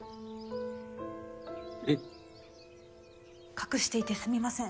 隠していてすみません。